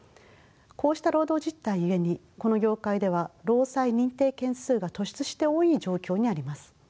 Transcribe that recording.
こうした労働実態ゆえにこの業界では労災認定件数が突出して多い状況にあります。